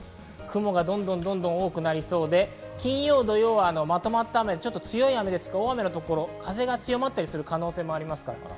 雲が多くなりそうで、金曜、土曜はまとまった雨、強い雨、大雨の所、風が強まったりする可能性もあります。